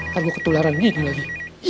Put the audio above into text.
harga ketularan gini lagi